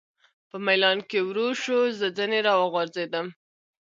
په مېلان کې ورو شو، زه ځنې را وغورځېدم.